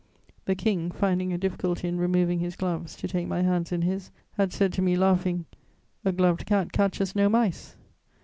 The King, finding a difficulty in removing his gloves to take my hands in his, had said to me, laughing: "A gloved cat catches no mice."